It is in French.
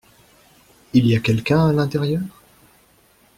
Il y a quelqu’un à l’intérieur ?